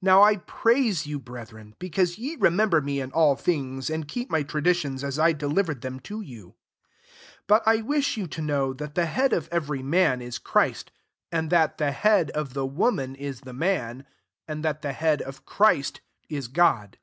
2 NOW I praise you, breth ren, because ye remember me in all things, and keep my tra ditions as I delivered them to you. 3 But I wish you to know, that the head of every man is Chrfst ; and that the head of the woman ia the man ; and that the head of Christ ia Crod.